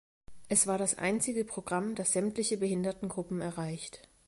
Es war das einzige Programm, das sämtliche Behindertengruppen erreicht.